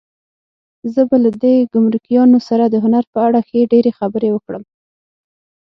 زه به له دې ګمرکیانو سره د هنر په اړه ښې ډېرې خبرې وکړم.